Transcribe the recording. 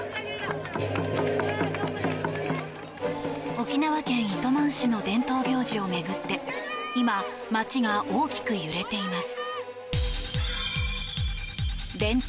沖縄県糸満市の伝統行事を巡って今、街が大きく揺れています。